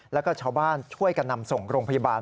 แล้วก็ชาวบ้านช่วยกันนำส่งโรงพยาบาล